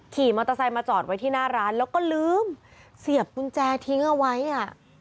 ขี่มอเตอร์ไซค์มาจอดไว้ที่หน้าร้านแล้วก็ลืมเสียบกุญแจทิ้งเอาไว้อ่ะ